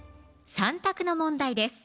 ３択の問題です